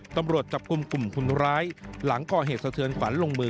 ตำรวจจับกลุ่มกลุ่มคนร้ายหลังก่อเหตุสะเทือนขวัญลงมือ